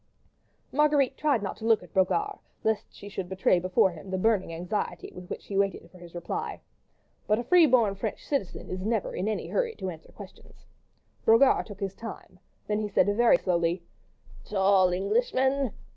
Marguerite tried not to look at Brogard, lest she should betray before him the burning anxiety with which she waited for his reply. But a free born French citizen is never in any hurry to answer questions: Brogard took his time, then he said very slowly,— "Tall Englishman?